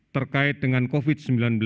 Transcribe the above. terkait dengan covid sembilan belas